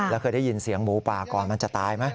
แล้วเคยได้ยินเสียงหมูป่าก่อนมันจะตายไหม